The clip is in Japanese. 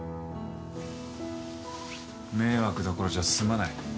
迷惑どころじゃ済まない。